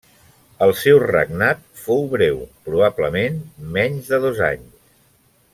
El seu regnat fou breu probablement menys de dos anys.